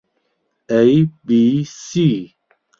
ئەی بی سی